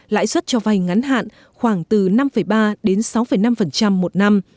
lãi suất cho vay ngắn hạn khoảng từ năm ba đến sáu năm một năm